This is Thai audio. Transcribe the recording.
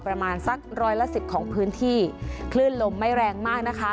ประมาณสักร้อยละสิบของพื้นที่คลื่นลมไม่แรงมากนะคะ